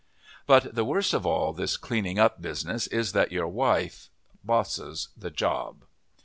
But the worst of all this cleaning up business is that your wife bosses the job.